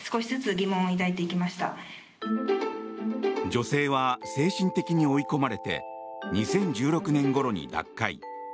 女性は精神的に追い込まれて２０１６年ごろに脱会。